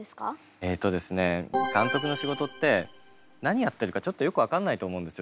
えっとですね監督の仕事って何やってるかちょっとよく分かんないと思うんですよ。